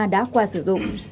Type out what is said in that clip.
đã qua sử dụng